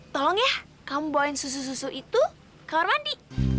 tolong ya kamu bawain susu susu itu kamar mandi